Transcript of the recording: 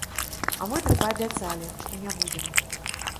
А мы дык паабяцалі, што не будзем.